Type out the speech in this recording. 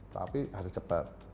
tapi harus cepat